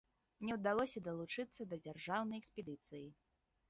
Мне ўдалося далучыцца да дзяржаўнай экспедыцыі.